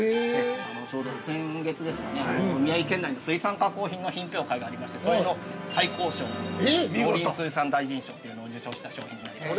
ちょうど先月ですかね、宮城県内の水産加工品の品評会がありまして、それの最高賞の農林水産大臣賞というのを受賞した商品になります。